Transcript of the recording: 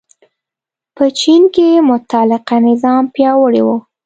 په چین کې مطلقه نظام پیاوړی و.